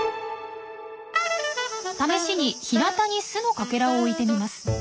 試しにひなたに巣のかけらを置いてみます。